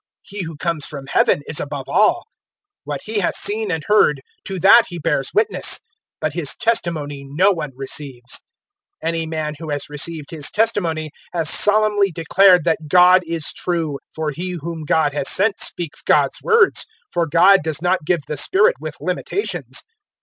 He who comes from Heaven is above all. 003:032 What He has seen and heard, to that He bears witness; but His testimony no one receives. 003:033 Any man who has received His testimony has solemnly declared that God is true. 003:034 For He whom God has sent speaks God's words; for God does not give the Spirit with limitations."